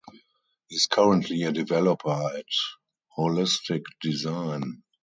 He is currently a developer at Holistic Design.